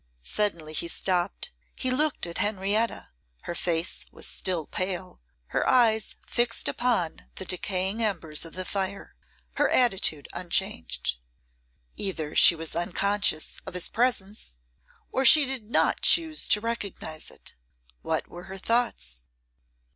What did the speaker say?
Suddenly he stopped; he looked at Henrietta; her face was still pale, her eyes fixed upon the decaying embers of the fire, her attitude unchanged. Either she was unconscious of his presence, or she did not choose to recognise it. What were her thoughts?